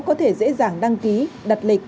có thể dễ dàng đăng ký đặt lịch